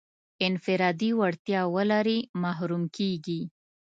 انفرادي وړتیا ولري محروم کېږي.